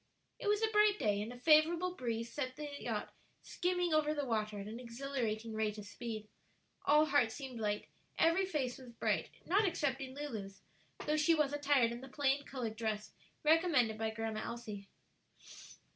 It was a bright day, and a favorable breeze sent the yacht skimming over the water at an exhilarating rate of speed. All hearts seemed light, every face was bright, not excepting Lulu's, though she was attired in the plain colored dress recommended by Grandma Elsie.